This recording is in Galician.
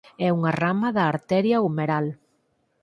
É unha rama da arteria umeral.